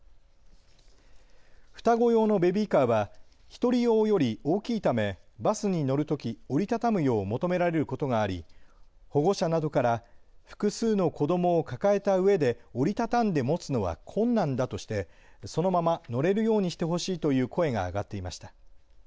双子用のベビーカーは１人用より大きいためバスに乗るとき、折り畳むよう求められることがあり保護者などから複数の子どもを抱えたうえで折り畳んで持つのは困難だとしてそのまま乗れるようにしてほしいという声が上がっていました。